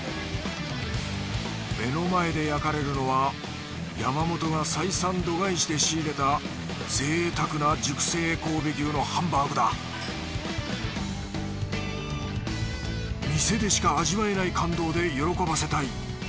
目の前で焼かれるのは山本が採算度外視で仕入れたぜいたくな熟成神戸牛のハンバーグだ店でしか味わえない感動で喜ばせたい。